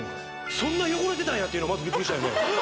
そんな汚れてたんやっていうのまずビックリしたよね